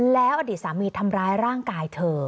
แล้วอดีตสามีทำร้ายร่างกายเธอ